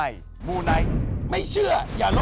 สวัสดีครับ